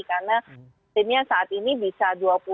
karena seharusnya saat ini bisa dua puluh lima